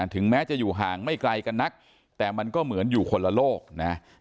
ถึงแม้จะอยู่ห่างไม่ไกลกันนักแต่มันก็เหมือนอยู่คนละโลกนะ